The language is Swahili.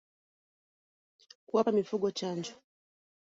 Kuwapa mifugo chanjo